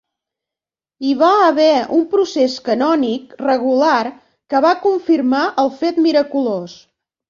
Hi va haver un procés canònic regular que va confirmar el fet miraculós.